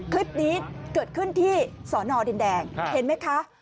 คลิปนี้เกิดขึ้นที่สอนอดินแดงเห็นไหมคะ